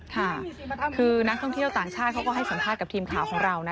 ค่ะคือนักท่องเที่ยวต่างชาติเขาก็ให้สัมภาษณ์กับทีมข่าวของเรานะ